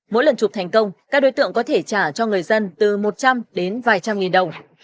mỗi lần chụp thành công các đối tượng có thể trả cho người dân từ một trăm linh đến vài trăm nghìn đồng